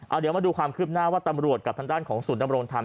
เอาเดี๋ยวมาดูความคืบหน้าว่าตำรวจกับทางด้านของศูนยำรงธรรม